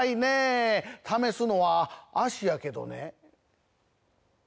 試すのは「脚」やけどね